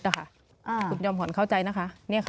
คุณคุณพร้อมเข้าใจนะคะ